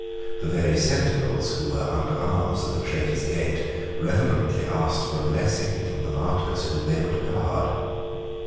The very sentinels who were under arms at the Traitors' Gate reverently asked for a blessing from the martyrs whom they were to guard.